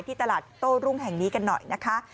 ตลาดโต้รุ่งแห่งนี้กันหน่อยนะคะ